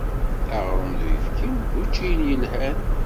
Aɣrum d uyefki d uččiyen yelhan.